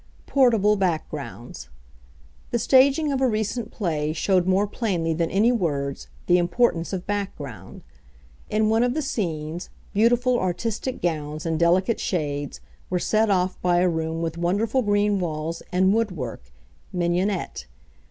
Portable Backgrounds The staging of a recent play showed more plainly than any words, the importance of background. In one of the scenes, beautiful, artistic gowns in delicate shades were set off by a room with wonderful green walls and woodwork (mignonette).